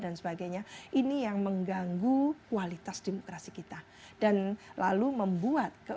dan sebagainya ini yang mengganggu kualitas demokrasi kita lalu membuat